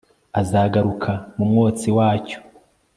Azaguruka mu mwotsi wacyo